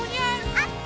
あった！